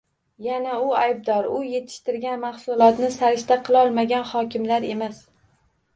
Yana u «aybdor», u yetishtirgan mahsulotni sarishta qilolmagan hokimliklar emas!